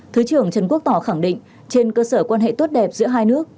thứ trưởng trần quốc tỏ khẳng định trên cơ sở quan hệ tốt đẹp giữa hai nước